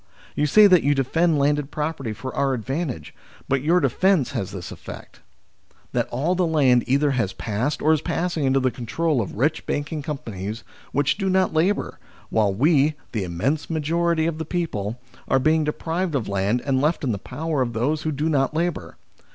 You say that you defend landed property for our advantage ; but your defence has this effect : that all the land either has passed or is passing into the control of rich banking companies which do not labour ; while we, the immense majority of the people, are being deprived of land and left in the power of those who do not labour.